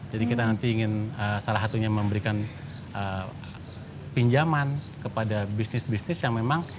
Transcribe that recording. jadi kita nanti ingin salah satunya memberikan pinjaman kepada bisnis bisnis yang memang